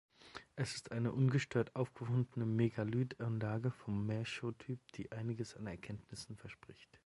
Es ist eine ungestört aufgefundene Megalithanlage vom Maeshowe-Typ die einiges an Erkenntnissen verspricht.